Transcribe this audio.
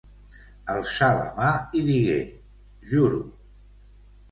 Alçà la mà i digué: Juro!